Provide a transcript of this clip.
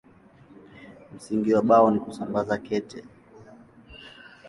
Msingi wa Bao ni kusambaza kete.